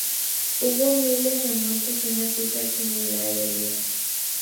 Hubo unos mil muertos y una cifra similar de heridos.